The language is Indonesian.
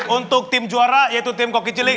untuk tim juara yaitu tim koki cilik